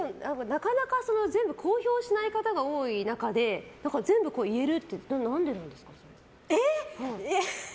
なかなか全部公表しない方が多い中で全部言えるって何でですか？